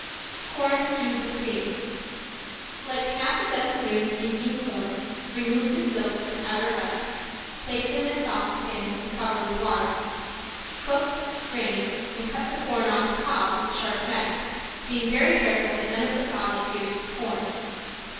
~CORN STEWED WITH CREAM~ Select a half dozen ears of Indian corn, remove the silks and outer husks, place them in a saucepan and cover with water. Cook, drain, and cut the corn off the cobs with a sharp knife, being very careful that none of the cob adheres to the corn.